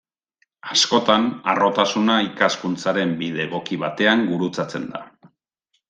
Askotan, harrotasuna ikaskuntzaren bide egoki batean gurutzatzen da.